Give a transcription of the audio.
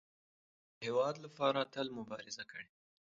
• دا قوم د هېواد لپاره تل مبارزه کړې.